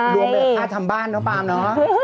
รวมแบบค่าทำบ้านน้องปาล์มเนอะ